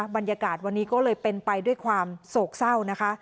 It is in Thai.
บรรยากาศวันนี้ก็เลยเป็นไปด้วยความโศกเศร้านะคะ